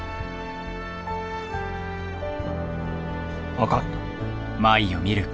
分かった。